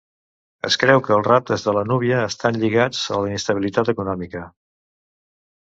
Es creu que els raptes de la núvia estan lligats a la inestabilitat econòmica.